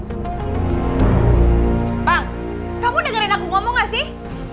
bang kamu dengerin aku ngomong gak sih